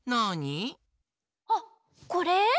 あっこれ？